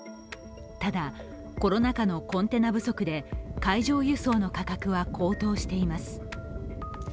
ただ、コロナ禍のコンテナ不足で海上輸送の価格は高騰しています。